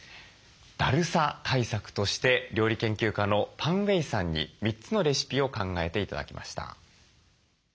だるさ対策として料理研究家のパン・ウェイさんに３つのレシピを考えて頂きました。